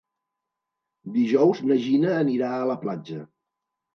Dijous na Gina anirà a la platja.